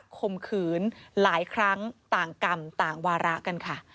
ข่มขืนหลายครั้งต่างกรรมต่างวาระกันค่ะ